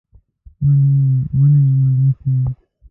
وله یی مولوی صیب